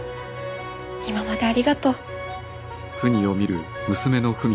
今までありがとう。